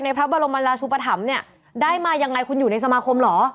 พระบรมราชุปธรรมเนี่ยได้มายังไงคุณอยู่ในสมาคมเหรอ